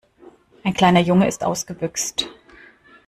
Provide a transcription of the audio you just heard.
Ein kleiner Junge ist ausgebüxt.